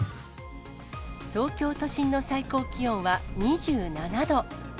東京都心の最高気温は２７度。